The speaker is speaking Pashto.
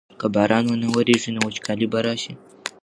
که باران ونه ورېږي نو وچکالي به راشي.